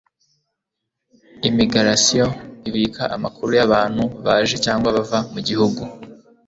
imigarasiyo ibika amakuru y'abantu baje cyangwa bava mu gihugu